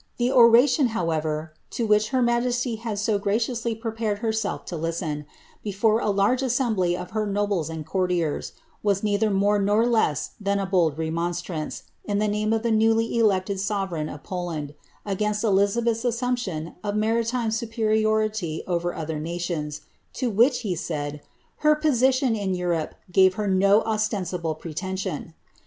The oration, however, which her majesty had so graciously prepared herself to listen, before irge assembly of her nobles and courtiers, was neither more nor less ■ a bold remonstrance, in the name of the newly elected sovereign Poland, against Elizabeth's assumption of maritime superiority over •r nations, to which, he said, her position in Europe gave her no ensiUe pretension.